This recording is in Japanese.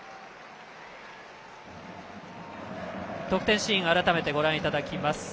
得点シーンを改めてご覧いただきます。